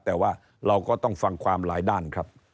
แต่ว่าเราก็ต้องฟังความหลายด้านครับ